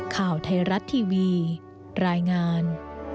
ข่าวไทยรัฐทีวีรายงาน